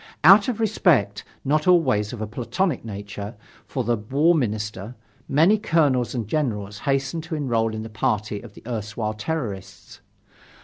Out of respect, not always of a platonic nature, for the War Minister, many colonels and generals hastened to enrol in the party of the erstwhile terrorists.